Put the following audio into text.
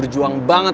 asal lo tau ya